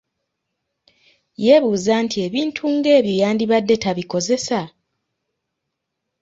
Yeebuuza nti ebintu ng’ebyo yandibadde tabikozesa?